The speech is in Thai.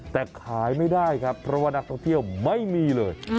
แต่ขายไม่ได้ครับเพราะว่านักท่องเที่ยวไม่มีเลย